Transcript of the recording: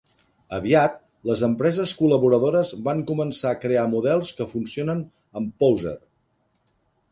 Aviat, les empreses col·laboradores van començar a crear models que funcionen amb Poser.